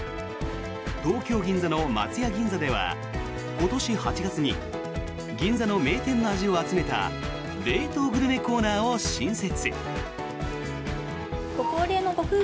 東京・銀座の松屋銀座では今年８月に銀座の名店の味を集めた冷凍グルメコーナーを新設。